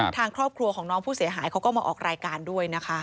ทางครอบครัวของน้องผู้เสียหายเขาก็มาออกรายการด้วยนะคะ